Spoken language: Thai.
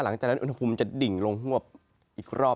หลังจากนั้นอุณหภูมิจะดิ่งลงฮวบอีกรอบ